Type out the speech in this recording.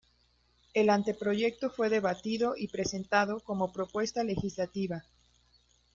El anteproyecto fue debatido y presentado como propuesta legislativa.